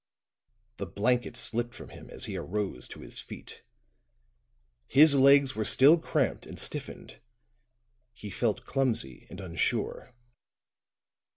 The blanket slipped from him as he arose to his feet; his legs were still cramped and stiffened; he felt clumsy and unsure.